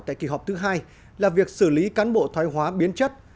tại kỳ họp thứ hai là việc xử lý cán bộ thoái hóa biến chất